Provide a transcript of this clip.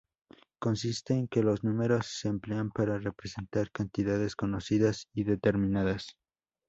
Consiste en que los números se emplean para representar cantidades conocidas y determinadas.